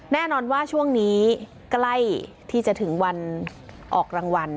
แน่นอนว่าช่วงนี้ใกล้ที่จะถึงวันออกรางวัล